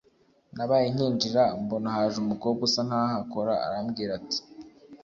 nabaye nyinjira mbona haje umukobwa usa nkaho ahakora arambwira ati